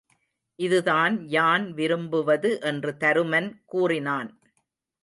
இதுதான் யான் விரும்புவது என்று தருமன் கூறினான்.